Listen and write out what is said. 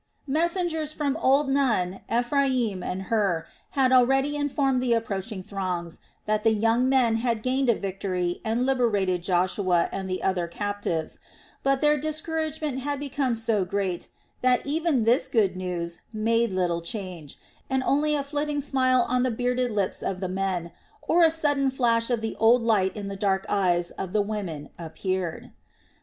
Messengers from old Nun, Ephraim, and Hur had already informed the approaching throngs that the young men had gained a victory and liberated Joshua and the other captives; but their discouragement had become so great that even this good news made little change, and only a flitting smile on the bearded lips of the men, or a sudden flash of the old light in the dark eyes of the women appeared.